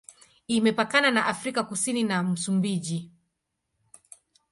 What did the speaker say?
Imepakana na Afrika Kusini na Msumbiji.